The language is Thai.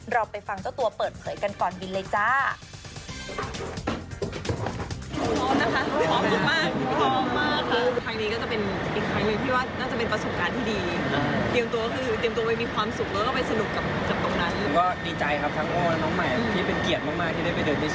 เราไปฟังเจ้าตัวเปิดเผยกันก่อนบินเลยจ้า